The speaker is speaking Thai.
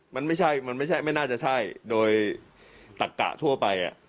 มันไม่ใช่ไม่น่าจะใช่โดยตักกะทั่วไป